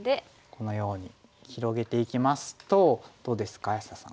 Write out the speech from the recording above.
このように広げていきますとどうですか安田さん。